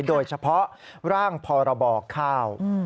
โดยเฉพาะร่างพรบข้าว